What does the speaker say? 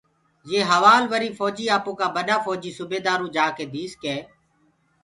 يي هوآل وريٚ ڦوجيٚ آپوڪآ ٻڏآ ڦوجيٚ سوبيدآروُ جآڪي ديس ڪي